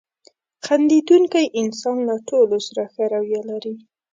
• خندېدونکی انسان له ټولو سره ښه رویه لري.